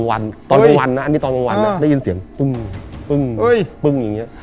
อันนี้ตอนวงวันได้ยินเสียงปึ้งปึ้งปึ้งอย่างนี้